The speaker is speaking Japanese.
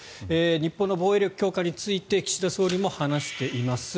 日本の防衛力強化について岸田総理も話しています。